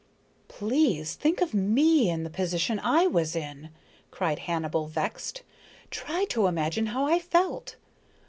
"Please think of me in the position I was in," cried Hannibal, vexed. "Try to imagine how I felt.